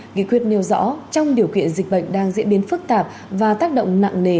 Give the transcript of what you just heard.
nghị quyết nêu rõ trong điều kiện dịch bệnh đang diễn biến phức tạp và tác động nặng nề